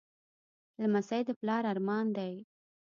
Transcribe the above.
لمسی د پلار ارمان دی.